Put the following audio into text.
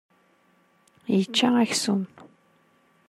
Yeĉĉa aksum.